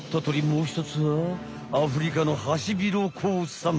もうひとつはアフリカのハシビロコウさん！